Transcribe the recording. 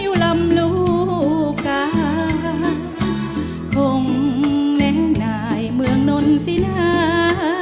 อยู่ลำลูกกาคงแหน่งหน่ายเมืองนนท์สินา